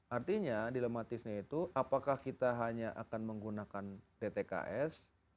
artinya dilematisnya itu apakah kita hanya akan menggunakan ptks